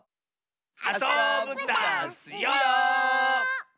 あそぶダスよ！